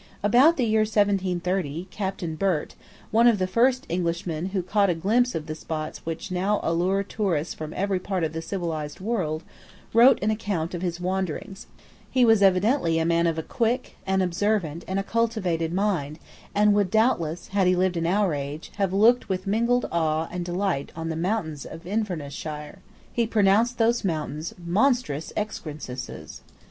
About the year 1730, Captain Burt, one of the first Englishmen who caught a glimpse of the spots which now allure tourists from every part of the civilised world, wrote an account of his wanderings. He was evidently a man of a quick, an observant, and a cultivated mind, and would doubtless, had he lived in our age, have looked with mingled awe and delight on the mountains of Invernessshire. But, writing with the feeling which was universal in his own age, he pronounced those mountains monstrous excrescences.